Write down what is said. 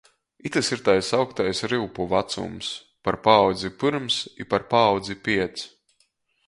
Itys ir tai sauktais ryupu vacums - par paaudzi pyrms i par paaudzi piec.